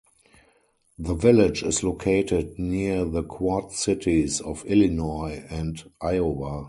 The village is located near the Quad Cities of Illinois and Iowa.